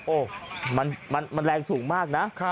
โอ้โหมันแรงสูงมากนะ